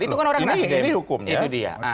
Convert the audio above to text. itu kan orang asli ini hukum ya